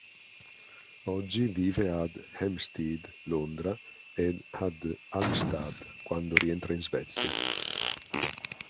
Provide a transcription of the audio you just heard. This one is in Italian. Oggi vive ad Hampstead, Londra, e ad Halmstad quando rientra in Svezia.